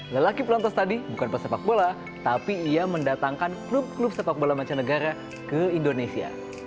lelaki perontas tadi bukan pesepak bola tapi ia mendatangkan klub klub sepak bola mancanegara ke indonesia